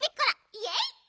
イエイ！